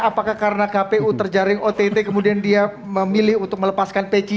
apakah karena kpu terjaring ott kemudian dia memilih untuk melepaskan peci